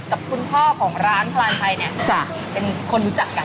กับคุณพ่อของร้านพลาดชัยเป็นคนรู้จักกัน